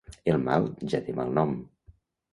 El mal ja té mal nom.